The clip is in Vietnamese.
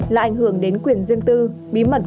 là ảnh hưởng đến quyền riêng tư bí mật